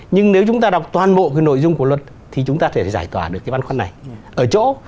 nhưng nếu chúng ta đọc toàn bộ cái nội dung của luật thì chúng ta có thể giải tỏa được cái băn khoăn này ở chỗ